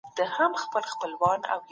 سياسي ګوندونه د ډيموکراسۍ اصلي ستني دي.